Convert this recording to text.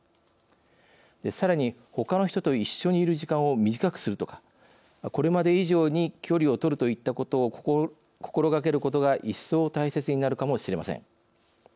さらに、ほかの人と一緒にいる時間を短くするとかこれまで以上に距離を取るといったことを心がけることが一層大切になるかもしれません。